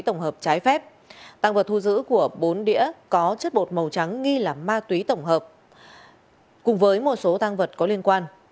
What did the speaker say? tăng vật thu giữ của bốn đĩa có chất bột màu trắng nghi là ma túy tổng hợp cùng với một số tăng vật có liên quan